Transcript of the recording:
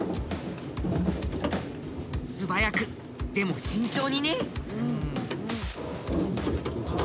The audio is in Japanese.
素早くでも慎重にね。